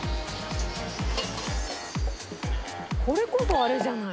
これこそあれじゃない？